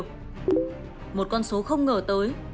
một con số không ngờ tới